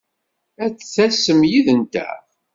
Ad d-tasem yid-nteɣ!